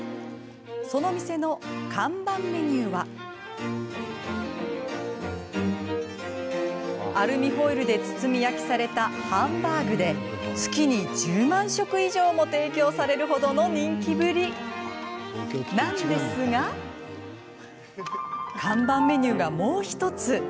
その店の看板メニューはアルミホイルで包み焼きされたハンバーグで月に１０万食以上も提供される程の人気ぶりなんですが看板メニューが、もう１つ。